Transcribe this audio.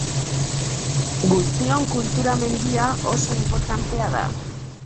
Guztion kultura mendia oso inportantea da.